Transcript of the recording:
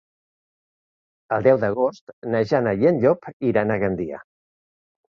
El deu d'agost na Jana i en Llop iran a Gandia.